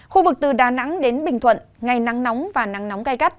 khu vực từ đà nẵng đến bình thuận ngày nắng nóng và nắng nóng cay cắt